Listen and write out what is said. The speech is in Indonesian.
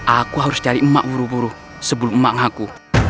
aku harus cari emak buru buru sebelum emak aku